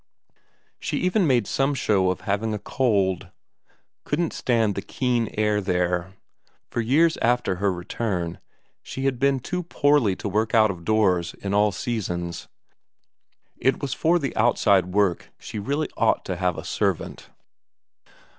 She even made some show of having a cold couldn't stand the keen air there; for years after her return she had been too poorly to work out of doors in all seasons. It was for the outside work she really ought to have a servant.